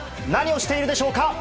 何をしているでしょうか？